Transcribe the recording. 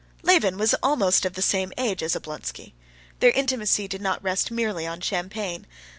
Levin was almost of the same age as Oblonsky; their intimacy did not rest merely on champagne.